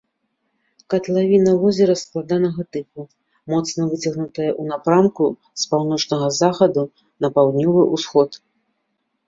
Катлавіна возера складанага тыпу, моцна выцягнутая ў напрамку з паўночнага захаду на паўднёвы ўсход.